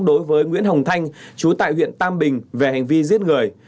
đối với nguyễn hồng thanh chú tại huyện tam bình về hành vi giết người